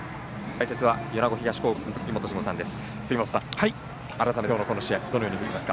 解説は米子東高校元監督の杉本真吾さんです。